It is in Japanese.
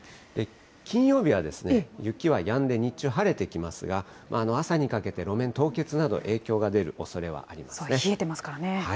金曜日は雪はやんで、日中晴れてきますが、朝にかけて、路面凍結など、影響が出るおそれはありま冷えてますからね。